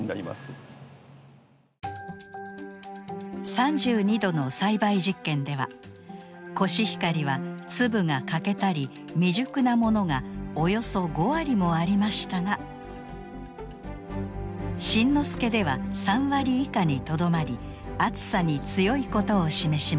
３２℃の栽培実験ではコシヒカリは粒が欠けたり未熟なものがおよそ５割もありましたが新之助では３割以下にとどまり暑さに強いことを示しました。